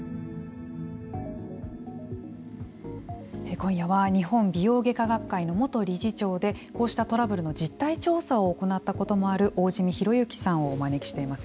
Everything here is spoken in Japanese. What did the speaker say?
今夜は日本美容外科学会の元理事長でこうしたトラブルの実態調査を行ったこともある大慈弥裕之さんをお招きしています。